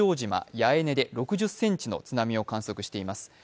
八重根で６０ｃｍの津波を観測しています。